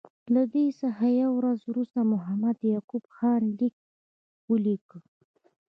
له دې څخه یوه ورځ وروسته محمد یعقوب خان لیک ولیکه.